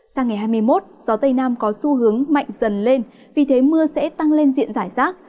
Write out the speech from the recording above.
sang ngày hai mươi một gió tây nam có xu hướng mạnh dần lên vì thế mưa sẽ tăng lên diện giải rác